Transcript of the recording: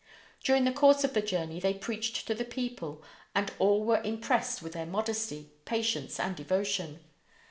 During the course of the journey they preached to the people, and all were impressed with their modesty, patience, and devotion.